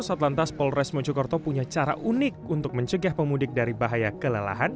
satlantas polres mojokerto punya cara unik untuk mencegah pemudik dari bahaya kelelahan